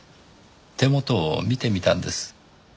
手元を見てみたんです。